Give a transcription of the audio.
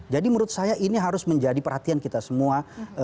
jadi menurut saya ini harus menjadi perhatian kita semua